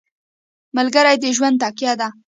ملګری د ژوند تکیه ده.